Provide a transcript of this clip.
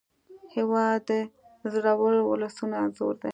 هېواد د زړورو ولسونو انځور دی.